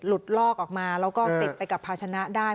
ลอกออกมาแล้วก็ติดไปกับภาชนะได้